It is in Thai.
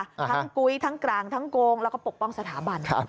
ทั้งกุ้ยทั้งกลางทั้งโกงแล้วก็ปกป้องสถาบัน